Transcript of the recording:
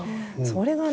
それがね